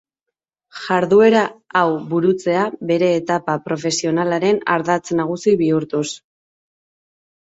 Jarduera hau burutzea bere etapa profesionalaren ardatz nagusi bihurtuz.